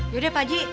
yaudah pak haji